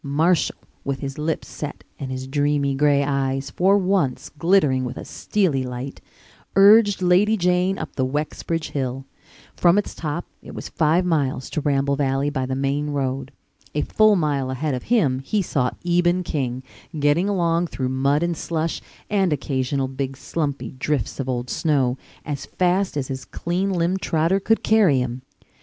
Marshall, with his lips set and his dreamy gray eyes for once glittering with a steely light, urged Lady Jane up the Wexbridge hill. From its top it was five miles to Ramble Valley by the main road. A full mile ahead of him he saw Eben King, getting along through mud and slush, and occasional big slumpy drifts of old snow, as fast as his clean limbed trotter could carry him.